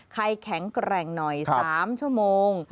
แข็งแกร่งหน่อย๓ชั่วโมง